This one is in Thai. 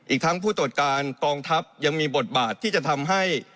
อีกทั้งผู้ตรวจการกองทัพยังมีบทบาทที่จะทำให้